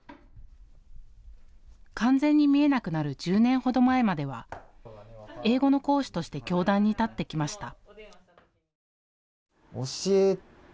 完全に見えなくなる１０年ほど前までは英語の講師として教壇に立ってきました。